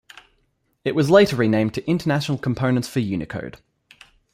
It was later renamed to International Components For Unicode.